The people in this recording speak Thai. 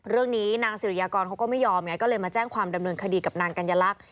เรื่องนี้นางสิริยากรเขาก็ไม่ยอมไงก็เลยมาแจ้งความดำเนินคดีกับนางกัญลักษณ